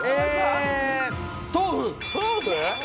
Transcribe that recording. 豆腐。